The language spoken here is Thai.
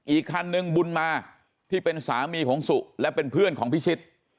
อีกคันนึงบุญมาที่เป็นสามีของสุและเป็นเพื่อนของพิชิต